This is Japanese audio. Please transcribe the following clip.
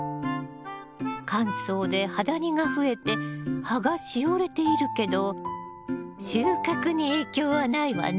乾燥で葉ダニが増えて葉がしおれているけど収穫に影響はないわね。